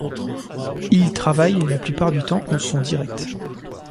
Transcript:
Il travaille la plupart du temps en son direct.